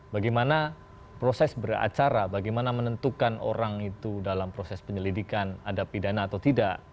bagaimana proses beracara bagaimana menentukan orang itu dalam proses penyelidikan ada pidana atau tidak